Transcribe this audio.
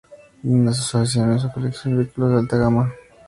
Una de sus aficiones es la colección de vehículos de alta gama.